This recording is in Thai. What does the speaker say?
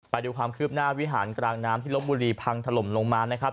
ไปดูความคืบหน้าวิหารกลางน้ำที่ลบบุรีพังถล่มลงมานะครับ